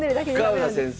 深浦先生。